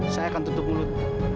saya akan tutup mulut